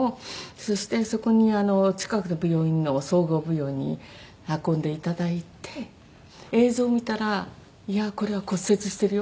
そしてそこにあの近くの病院の総合病院に運んでいただいて映像を見たら「いやこれは骨折してるよ」